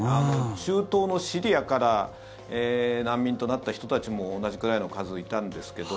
中東のシリアから難民となった人たちも同じくらいの数いたんですけど。